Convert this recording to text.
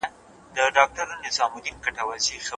د ده اراده